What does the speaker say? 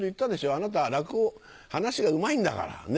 あなたは落語噺がうまいんだからね？